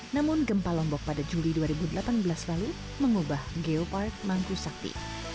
namun gempa lombok pada juli dua ribu delapan belas lalu mengubah geopark mangku sakti